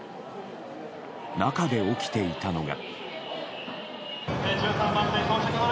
中で起きていたのが。